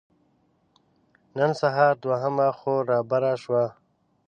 نن سهار دوهمه خور رابره شوه.